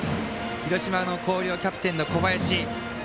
広島・広陵、キャプテンの小林。